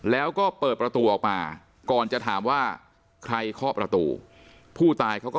แล้วก็เปิดประตูออกมาก่อนจะถามว่าใครเคาะประตู